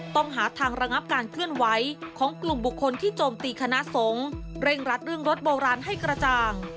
ต้องหาทางระงับการเคลื่อนไหวของกลุ่มบุคคลที่โจมตีคณะสงฆ์เร่งรัดเรื่องรถโบราณให้กระจ่าง